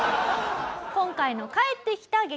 今回の帰ってきた激